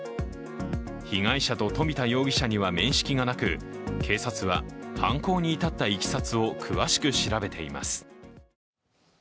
被害者と富田容疑者には面識がなく警察は犯行に至ったいきさつを詳しく調べています。